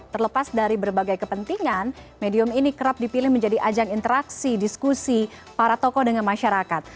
terlepas dari berbagai kepentingan medium ini kerap dipilih menjadi ajang interaksi diskusi para tokoh dengan masyarakat